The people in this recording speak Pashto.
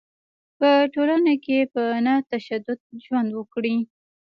په ټولنه کې په نه تشدد ژوند وکړي.